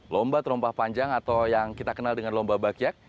lomba terompah panjang atau yang kita kenal dengan lomba bakyak